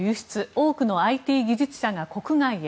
多くのＩＴ技術者が国外へ。